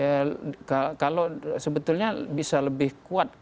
ya kalau sebetulnya bisa lebih kuat